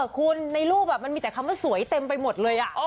คุณในรูปมันมีแต่คำว่าสวยเต็มไปหมดเลย